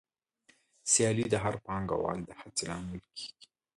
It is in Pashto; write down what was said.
سیالي د هر پانګوال د هڅې لامل کېږي